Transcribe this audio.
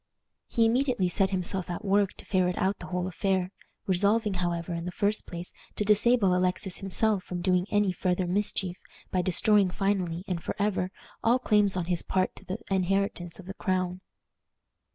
He immediately set himself at work to ferret out the whole affair, resolving, however, in the first place, to disable Alexis himself from doing any farther mischief by destroying finally and forever all claims on his part to the inheritance of the crown.